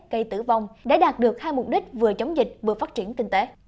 gây tử vong để đạt được hai mục đích vừa chống dịch vừa phát triển tinh tế